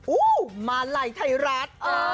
อู้มาลัยไทยรัฐ